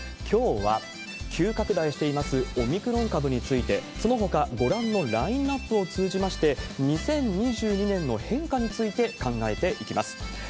きょうは急拡大していますオミクロン株について、そのほか、ご覧のラインナップを通じまして、２０２２年の変化について考えていきます。